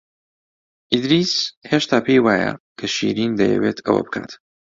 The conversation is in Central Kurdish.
ئیدریس هێشتا پێی وایە کە شیرین دەیەوێت ئەوە بکات.